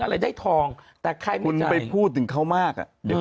อะไรได้ทองแต่ใครคุณไปพูดถึงเขามากอ่ะเดี๋ยว